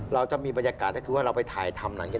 เราจะมีบรรยากาศถ้าคิดว่าเราไปถ่ายธรรมนั้น